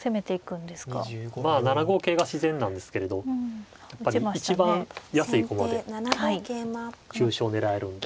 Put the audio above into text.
まあ７五桂が自然なんですけれどやっぱり一番安い駒で急所を狙えるんで。